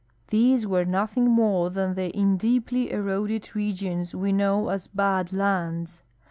These were nothing more than the in deeply erode<l regions we know as Bad Lands.